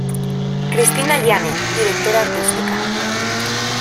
Cristina Yáñez, directora artística.